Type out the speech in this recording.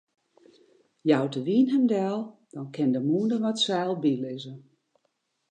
Jout de wyn him del, dan kin de mûnder wat seil bylizze.